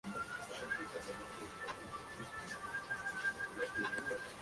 La cabecera nueva está más asociada con el Quinto Doctor.